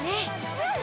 うん！